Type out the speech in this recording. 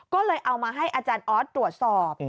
ก็เลยเอามาให้อาจารย์ออสตรวจสอบ